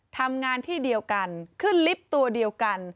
ทำงานที่เดียวกันขึ้นลิฟต์ตัวเดียวกัน